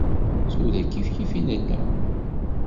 Tura kifkif i nella.